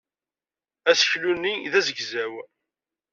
Aseklu-nni d azegzaw.